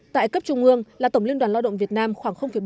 tại cấp trung ương là tổng liên đoàn lao động việt nam khoảng bốn